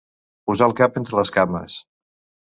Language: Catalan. Posar el cap entre les cames.